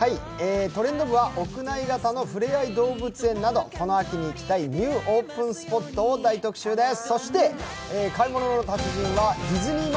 「トレンド部」は屋内型のふれあい動物園などこの秋に行きたいニューオープンスポットを大特集です。